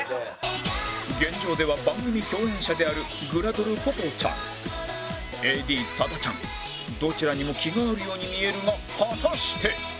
現状では番組共演者であるグラドルぽぽちゃん ＡＤ 多田ちゃんどちらにも気があるように見えるが果たして